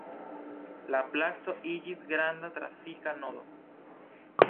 La placo iĝis granda trafika nodo.